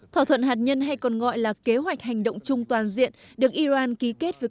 thỏa thuận hạt nhân hay còn gọi là kế hoạch hành động chung toàn diện được iran ký kết với